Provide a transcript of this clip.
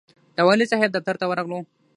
د والي صاحب دفتر ته ورغلو.